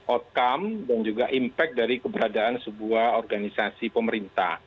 outcome dan juga impact dari keberadaan sebuah organisasi pemerintah